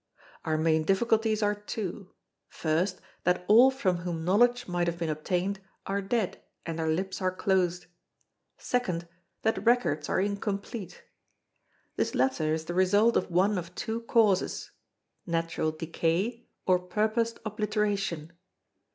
Our main difficulties are two. First, that all from whom knowledge might have been obtained are dead and their lips are closed; second, that records are incomplete. This latter is the result of one of two causes natural decay or purposed obliteration.